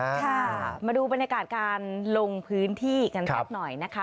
ค่ะมาดูบรรยากาศการลงพื้นที่กันสักหน่อยนะคะ